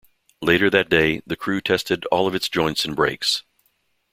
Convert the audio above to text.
Later that day, the crew tested all of its joints and brakes.